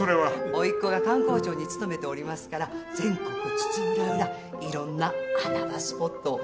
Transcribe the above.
おいっ子が観光庁に勤めておりますから全国津々浦々いろんな穴場スポットを紹介してくれるんですのよ。